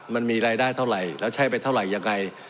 มันมีรายได้เท่าไหร่แล้วใช้ไปเท่าไหร่ยังไง